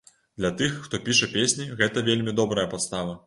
Для тых, хто піша песні, гэта вельмі добрая падстава.